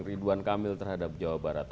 ridwan kamil terhadap jawa barat